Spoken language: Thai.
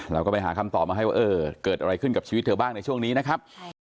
เราก็ไปหาคำตอบมาให้ว่าเออเกิดอะไรขึ้นกับชีวิตเธอบ้างในช่วงนี้นะครับ